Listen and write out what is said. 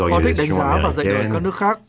họ thích đánh giá và giải đổi các nước khác